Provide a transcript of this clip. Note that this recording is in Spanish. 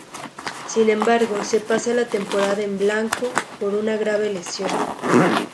Sin embargo se pasa la temporada en blanco por una grave lesión.